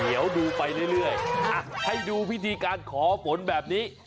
เดี๋ยวดูไปเรื่อยให้ดูพิธีการขอฝนแบบนี้